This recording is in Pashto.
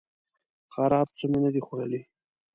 خراب څه می نه دي خوړلي